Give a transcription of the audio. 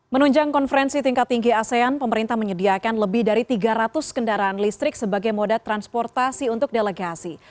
menunjang konferensi tingkat tinggi asean pemerintah menyediakan lebih dari tiga ratus kendaraan listrik sebagai moda transportasi untuk delegasi